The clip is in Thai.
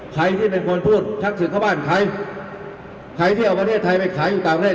ใครที่เป็นคนพูดชักศึกเข้าบ้านใครใครที่เอาประเทศไทยไปขายอยู่ต่างประเทศ